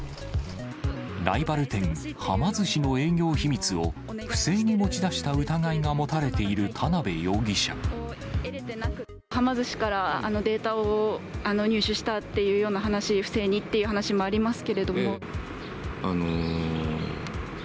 ライバル店、はま寿司の営業秘密を不正に持ち出した疑いが持たれている田辺容疑者。はま寿司から、あのデータを入手したっていうような話、不正にっていう話もあります